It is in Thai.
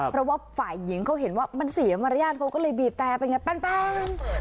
เพราะว่าคนหญิงเขาเห็นว่ามันเสียมารยาทเขาก็เลยบีบแตวปั๊ชปั๊ช